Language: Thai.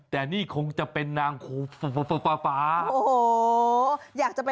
แต่นี่คงจะเป็นนางฝา